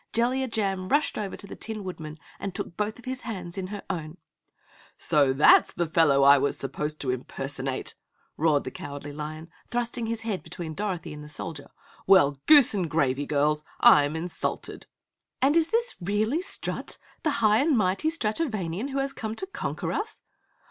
Jellia Jam rushed over to the Tin Woodman and took both of his hands in her own. "So that's the fellow I was supposed to impersonate!" roared the Cowardly Lion, thrusting his head between Dorothy and the Soldier, "Well, Goosengravy, girls I'm insulted!" "And is this really Strut the high and mighty Stratovanian who has come to conquer us?"